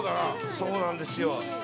そうなんですよ。